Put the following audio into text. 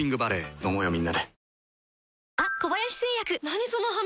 飲もうよみんなで。